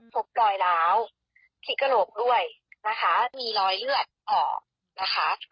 พบรอยล้าวที่กระโหลกด้วยนะคะมีรอยเลือดออกนะคะ